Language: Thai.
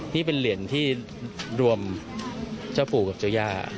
นี่เป็นเหรียญที่รวมเจ้าปู่กับเจ้าย่า